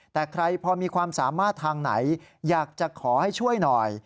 แต่ใครพอมีความสามารถทางไหนอยากจะขอให้ช่วยหน่อย